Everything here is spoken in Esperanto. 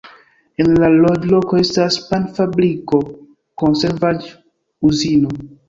En la loĝloko estas pan-fabriko, konservaĵ-uzino.